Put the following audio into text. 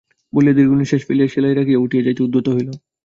বলিয়া দীর্ঘনিশ্বাস ফেলিয়া সেলাই রাখিয়া উঠিয়া যাইতে উদ্যত হইল।